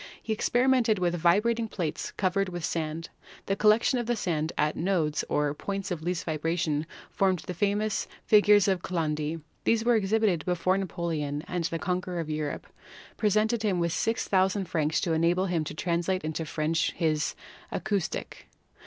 He experimented with vibrating plates covered with sand. The collection of the sand at the nodes, or points of least vibration, formed the famous "figures of Chladni." These were exhibited before Napoleon, and the conqueror of Europe presented him with 6,000 francs to enable him to translate into French his Akustik.